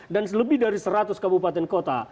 dan lebih dari seratus kabupaten kota